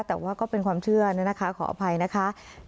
แต่ว่าก็เป็นความเชื่อนะคะขออภัยนะคะ